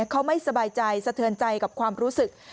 เขาไม่สบายใจสะเทือนใจกับความรู้สึก